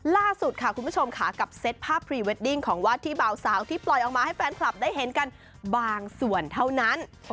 ล่าสุดค่ะคุณผู้ชมค่ะกับเซตภาพพรีเวดดิ้งของวาดที่เบาสาวที่ปล่อยออกมาให้แฟนคลับได้เห็นกันบางส่วนเท่านั้น